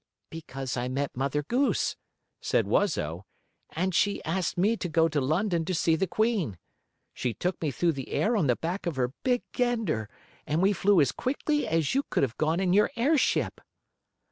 "Because I met Mother Goose," said Wuzzo, "and she asked me to go to London to see the Queen. She took me through the air on the back of her big gander, and we flew as quickly as you could have gone in your airship."